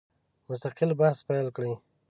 مستقل بحث پیل کړي.